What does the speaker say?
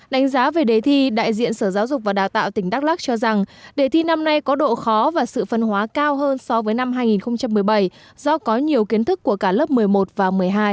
đánh giá về đề thi đại diện sở giáo dục và đào tạo tỉnh đắk lắc cho rằng đề thi năm nay có độ khó và sự phân hóa cao hơn so với năm hai nghìn một mươi bảy do có nhiều kiến thức của cả lớp một mươi một và một mươi hai